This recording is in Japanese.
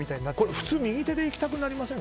普通、右手でいきたくなりませんか？